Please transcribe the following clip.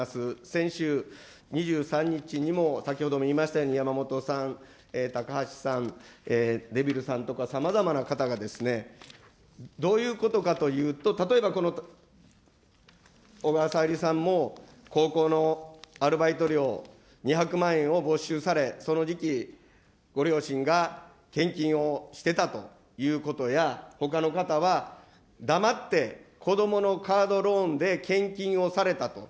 先週２３日にも先ほども言いましたようにやまもとさん、たかはしさん、デビルさんとかさまざまな方が、どういうことかというと、例えばこの小川さゆりさんも、高校のアルバイト料２００万円を没収され、その時期、ご両親が献金をしてたということや、ほかの方は黙って子どものカードローンで献金をされたと。